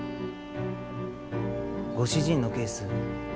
ご主人のケース